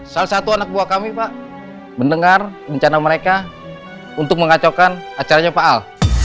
salah satu anak buah kami pak mendengar rencana mereka untuk mengacaukan acaranya pak al